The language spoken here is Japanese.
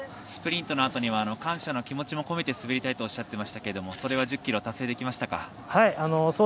スプリントのあとには感謝の気持ちも込めて滑りたいとおっしゃっていましたがそれは１０ｋｍで達成できましたか。